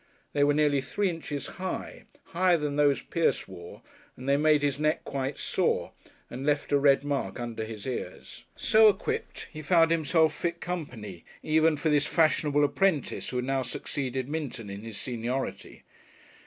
They were nearly three inches high, higher than those Pierce wore, and they made his neck quite sore and left a red mark under his ears.... So equipped, he found himself fit company even for this fashionable apprentice, who had now succeeded Minton in his seniority.